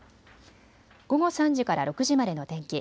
午後３時から６時までの天気。